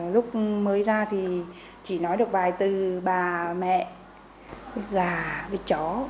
lúc mới ra thì chỉ nói được vài từ bà mẹ gà chó